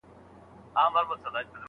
بریالي کسان مثبت بدلون ته هرکلی وایي.